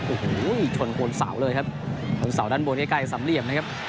โอ้โหชนคนเสาเลยครับบนเสาด้านบนใกล้ใกล้สำเหลี่ยมนะครับ